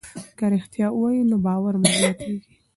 که رښتیا ووایو نو باور مو زیاتېږي.